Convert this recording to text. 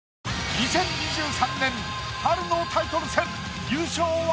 ２０２３年春のタイトル戦。